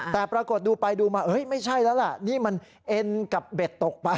แต่ปรากฏดูไปดูมาไม่ใช่แล้วล่ะนี่มันเอ็นกับเบ็ดตกไป